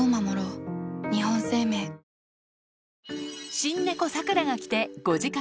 新猫サクラが来て５時間。